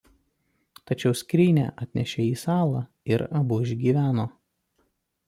Tačiau skrynią atnešė į salą ir abu išgyveno.